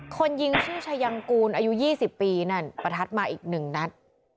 คนยิงชื่อชายังกูลอายุยี่สิบปีน่ะประทัดมาอีกหนึ่งนัด